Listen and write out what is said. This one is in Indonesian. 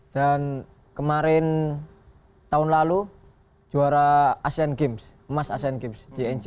dan kemarin tahun lalu juara asean games emas asean games di engine